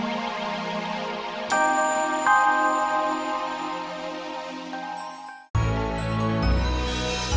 ini adalah perubahan bayi yang dibuat oleh ayah